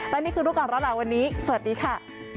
และนี่คือรูปการณ์หลาวันนี้สวัสดีค่ะ